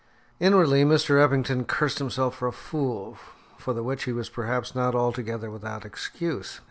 Inwardly Mr. Eppington cursed himself for a fool, for the which he was perhaps not altogether without excuse.